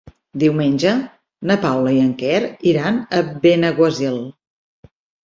Diumenge na Paula i en Quer iran a Benaguasil.